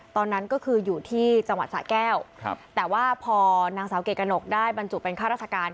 ตอนนั้นก็คืออยู่ที่จังหวัดสะแก้วแต่ว่าพอนางสาวเกกระหนกได้บรรจุเป็นข้าราชการ